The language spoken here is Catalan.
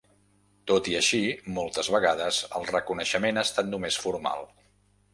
Tot i així, moltes vegades el reconeixement ha estat només formal.